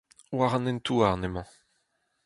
War an hent-houarn emañ.